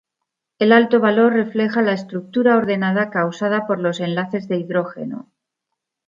El alto valor refleja la estructura ordenada causada por los enlaces de hidrógeno.